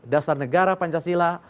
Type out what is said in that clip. dasar negara pancasila